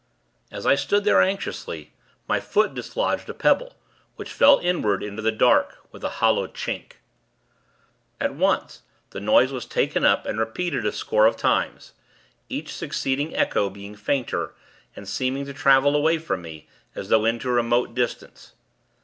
As I stood there, anxiously, my foot dislodged a pebble, which fell inward, into the dark, with a hollow chink. At once, the noise was taken up and repeated a score of times; each succeeding echo being fainter, and seeming to travel away from me, as though into remote distance.